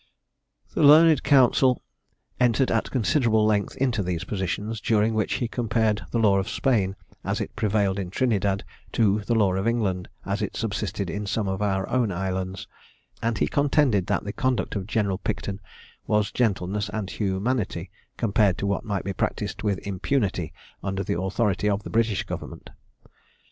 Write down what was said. The learned counsel entered at considerable length into these positions, during which he compared the law of Spain, as it prevailed in Trinidad, to the law of England, as it subsisted in some of our own islands; and he contended that the conduct of General Picton was gentleness and humanity, compared to what might be practised with impunity under the authority of the British government.